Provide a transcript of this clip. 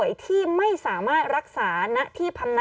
กล้องกว้างอย่างเดียว